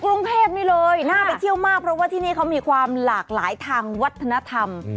กรุงเทพนี่เลยน่าไปเที่ยวมากเพราะว่าที่นี่เขามีความหลากหลายทางวัฒนธรรม